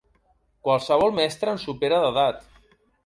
Qualsevol mestre ens supera d'edat.